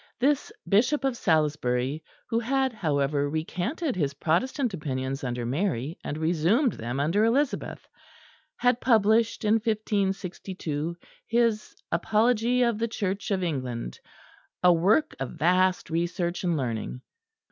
This Bishop of Salisbury, who had, however, recanted his Protestant opinions under Mary, and resumed them under Elizabeth, had published in 1562 his "Apology of the Church of England," a work of vast research and learning.